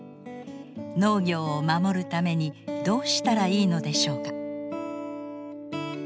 農業を守るためにどうしたらいいのでしょうか。